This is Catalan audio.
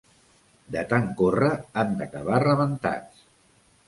De tant córrer han d'acabar rebentats.